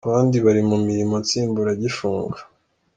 abandi bari mumirimo nsimburagifungo.